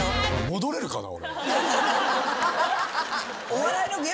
戻れるかな？